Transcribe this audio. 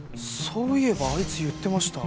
そういえばあいつ言ってました。